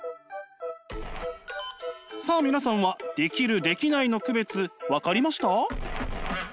さあ皆さんはできるできないの区別分かりました？